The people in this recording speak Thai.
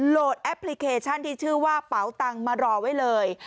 แอปพลิเคชันที่ชื่อว่าเป๋าตังค์มารอไว้เลย